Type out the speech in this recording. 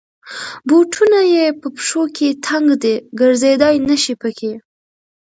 بوټونه یې په پښو کې تنګ دی. ګرځېدای نشی پکې.